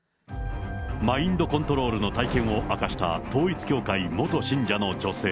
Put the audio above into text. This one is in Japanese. マインドコントロールの体験を明かした、統一教会元信者の女性。